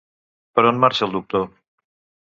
Per on marxa el doctor?